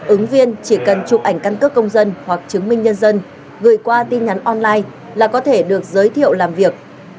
ứng viên chỉ cần chụp ảnh căn cước công dân hoặc chứng minh nhân dân gửi qua tin nhắn online là có thể được giới thiệu làm việc